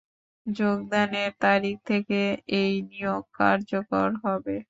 যোগদানের তারিখ থেকে এই নিয়োগ কার্যকর হবে।